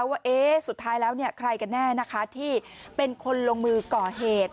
ว่าสุดท้ายแล้วใครกันแน่นะคะที่เป็นคนลงมือก่อเหตุ